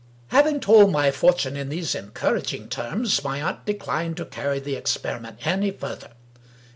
Having told my fortune in these encouraging terms, my aunt declined to carry the experiment any further.